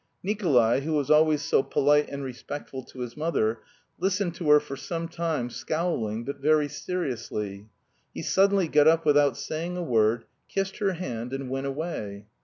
Nikolay, who was always so polite and respectful to his mother, listened to her for some time scowling, but very seriously. He suddenly got up without saying a word, kissed her hand and went away.